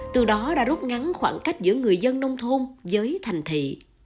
từ đó đã rút ngắn khoảng cách giữa người dân nông thôn với thành thị